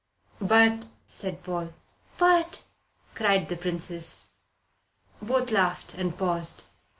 "But " said Paul. "But " cried the Princess. Both laughed, and paused.